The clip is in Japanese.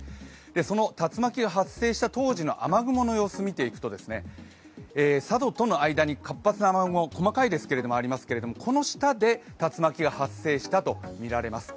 その竜巻が発生した当時の雨雲の様子を見ていくと、佐渡との間に活発な雨雲、細かいものがありますけれどもこの下で竜巻が発生したとみられます。